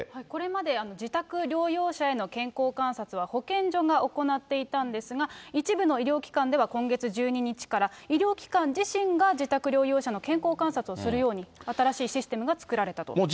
これまで自宅療養者への健康観察は、保健所が行っていたんですが、一部の医療機関では今月１２日から医療機関自身が自宅療養者の健康観察をするように、新しいシステムが作られたと。